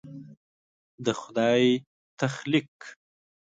د خدای تخلیق